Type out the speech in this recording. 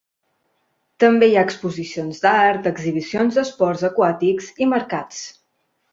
També hi ha exposicions d'art, exhibicions d'esports aquàtics i mercats.